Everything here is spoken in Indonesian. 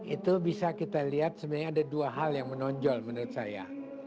itu bisa kita lihat sebenarnya ada dua hal yang menonjol menurut saya